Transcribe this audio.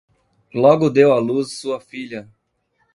Logo deu à luz sua filha